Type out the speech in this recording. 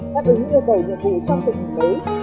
đáp ứng yêu cầu nhu cầu trong tình hình đấy